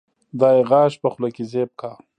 دا يې غاښ په خوله کې زېب کا